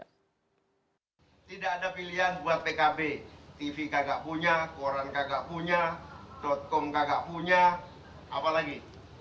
tidak ada pilihan buat pkb tv nggak punya koran nggak punya dotkom nggak punya apalagi